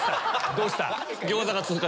どうした？